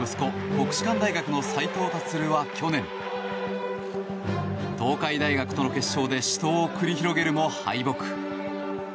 国士舘大学の斉藤立は去年、東海大学との決勝で死闘を繰り広げるも敗北。